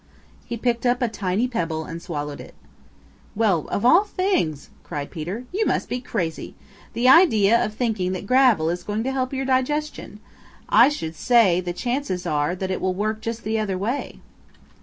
He picked up a tiny pebble and swallowed it. "Well, of all things!" cried Peter. "You must be crazy. The idea of thinking that gravel is going to help your digestion. I should say the chances are that it will work just the other way."